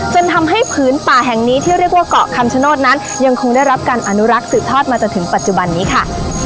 จนทำให้ผืนป่าแห่งนี้ที่เรียกว่าเกาะคำชโนธนั้นยังคงได้รับการอนุรักษ์สืบทอดมาจนถึงปัจจุบันนี้ค่ะ